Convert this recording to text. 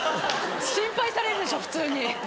心配されるでしょ普通に。